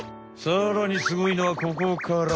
さらにすごいのはここから！